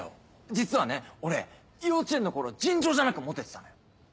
実はね俺幼稚園の頃尋常じゃなくモテてたのよ。